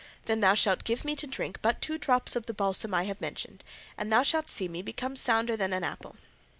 Then thou shalt give me to drink but two drops of the balsam I have mentioned, and thou shalt see me become sounder than an apple."